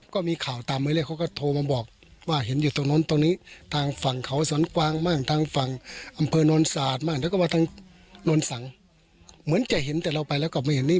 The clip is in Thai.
ก็มีข่าวตามไปเลยเขาก็โทรมาบอกว่าเห็นอยู่ตรงนั้นตรงนี้